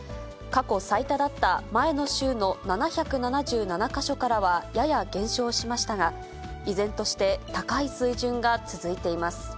過去最多だった前の週の７７７か所からはやや減少しましたが、依然として高い水準が続いています。